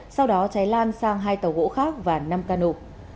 sau đó cháy lan sang hai tàu gỗ khác và năm cano